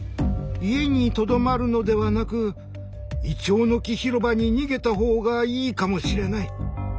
家にとどまるのではなくいちょうの木広場に逃げた方がいいかもしれない。